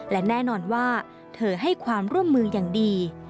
และแน่นอนว่าเธอให้ความร่วมมืออย่างดี